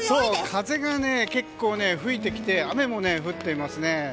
風がね、結構吹いてきて雨も降っていますね。